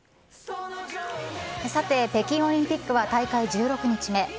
さて、北京オリンピックは大会１６日目。